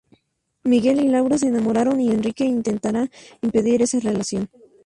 Miguel y Laura se enamoran y Henrique intentará impedir esa relación.